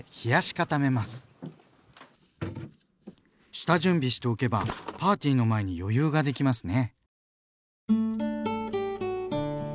下準備しておけばパーティーの前に余裕ができますね。